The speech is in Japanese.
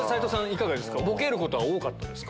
いかがですかボケることは多かったですか？